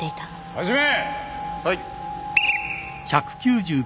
始め